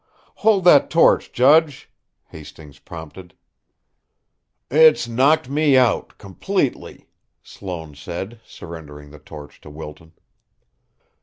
"Hold that torch, judge," Hastings prompted. "It's knocked me out completely," Sloane said, surrendering the torch to Wilton.